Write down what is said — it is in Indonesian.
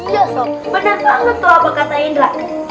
iya soh benar banget tuh apa kata indra